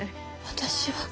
私は。